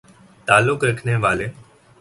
تعلق رکھنے والے